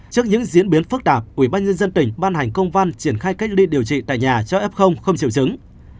trước những diễn biến phức tạp ubnd tỉnh ban hành công văn triển khai cách ly điều trị tại nhà cho f không triệu chứng